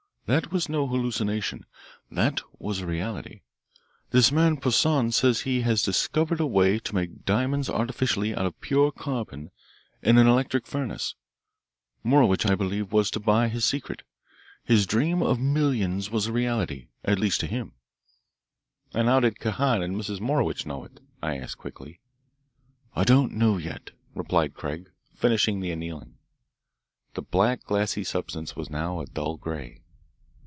That was no hallucination; that was a reality. This man Poissan says he has discovered a way to make diamonds artificially out of pure carbon in an electric furnace. Morowitch, I believe, was to buy his secret. His dream of millions was a reality at least to him." "And did Kahan and Mrs. Morowitch know it?" I asked quickly. "I don't know yet," replied Craig, finishing the annealing. The black glassy substance was now a dull grey.